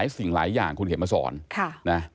สิ่งหลายอย่างคุณเข็มมาสอน